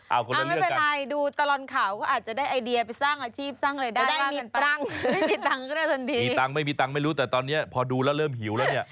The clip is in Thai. เอาเหมือนกันดูตลอนข่าวก็จะได้ไอเดียไปสร้างอาชีพใด